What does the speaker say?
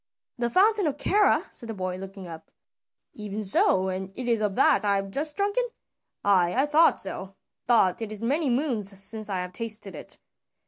"The fountain of Kera?" said the boy, looking up. "Even so, and it is of that I have just drunken? Ay, I thought so, though it is many moons since I have tasted it."